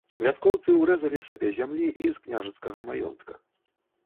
Вяскоўцы ўрэзалі сабе зямлі і з княжацкага маёнтка.